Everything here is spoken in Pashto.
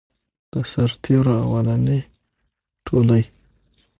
د سرتیرو اولنی ټولۍ.